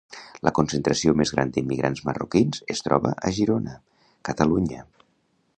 La concentració més gran de immigrants marroquins es troba a Girona, Catalunya.